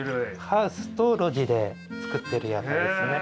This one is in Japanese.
ハウスと露地で作ってる野菜ですね。